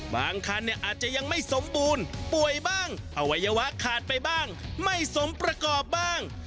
บางคันเนี่ยอาจจะยังไม่สมบูรณ์ป่วยบ้างอวัยวะขาดไปบ้างไม่สมประกอบบ้าง